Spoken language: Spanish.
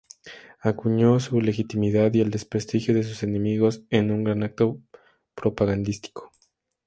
Acuñó su legitimidad y el desprestigio de sus enemigos en un gran acto propagandístico.